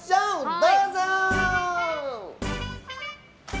どうぞ！